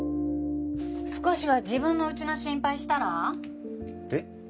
少しは自分の家の心配したら？